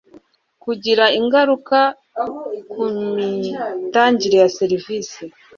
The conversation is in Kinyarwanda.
kugira ingaruka ku mitangire ya serivisi